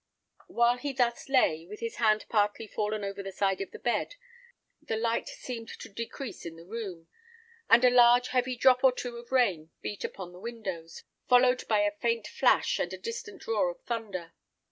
While he thus lay, with his hand partly fallen over the side of the bed, the light seemed to decrease in the room, and a large heavy drop or two of rain beat upon the windows, followed by a faint flash, and a distant roar of thunder.